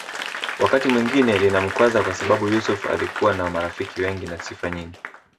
Wakati mwingine linamkwaza kwasababu Yusuf alikuwa na marafiki wengi na sifa nyingi